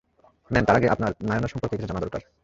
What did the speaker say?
Ma'am, তার আগে, আপনার নায়না সম্পর্কে কিছু জানার দরকার।